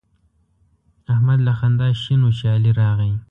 احمد له خندا شین وو چې علي راغی.